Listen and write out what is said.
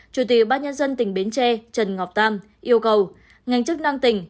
chủ tịch bác nhân dân tỉnh bến tre trần ngọc tam yêu cầu ngành chức năng tỉnh